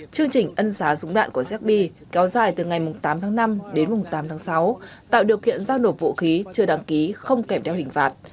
chương trình ân xá súng đạn của zb kéo dài từ ngày tám tháng năm đến tám tháng sáu tạo điều kiện giao nộp vũ khí chưa đăng ký không kẹp đeo hình phạt